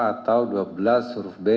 atau dua belas survei b